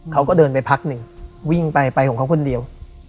เขาก็เดินไปพักหนึ่งวิ่งไปไปของเขาคนเดียว